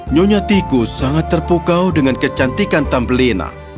nyonya tikus sangat terpukau dengan kecantikan tambelina